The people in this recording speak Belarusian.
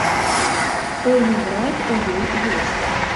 Пэўны драйв у ёй ёсць.